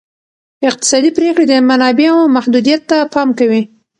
اقتصادي پریکړې د منابعو محدودیت ته پام کوي.